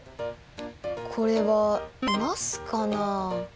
これはなすかな？